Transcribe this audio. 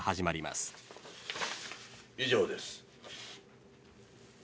「以上です」